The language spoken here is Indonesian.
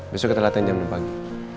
besok kita latihan jam enam pagi